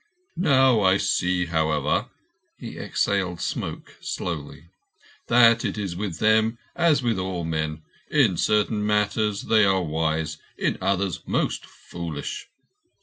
"Now I see, however,"—he exhaled smoke slowly—"that it is with them as with all men—in certain matters they are wise, and in others most foolish.